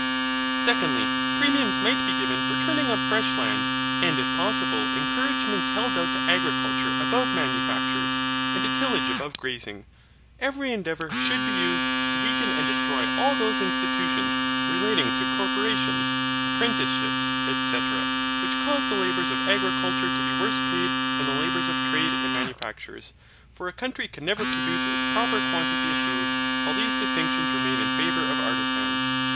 Secondly, premiums might be given for turning up fresh land, and it possible encouragements held out to agriculture above manufactures, and to tillage above grazing. Every endeavour should be used to weaken and destroy all those institutions relating to corporations, apprenticeships, etc., which cause the labours of agriculture to be worse paid than the labours of trade and manufactures. For a country can never produce its proper quantity of food while these distinctions remain in favour of artisans.